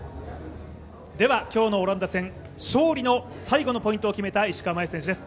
今日のオランダ戦、勝利の最後のポイントを決めた石川真佑選手です。